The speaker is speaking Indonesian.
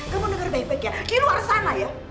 kamu denger baik baik ya keluar sana ya